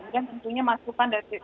dan tentunya masukan dari